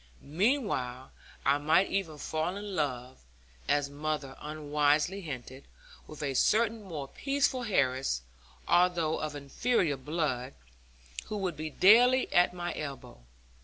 Meanwhile I might even fall in love (as mother unwisely hinted) with a certain more peaceful heiress, although of inferior blood, who would be daily at my elbow.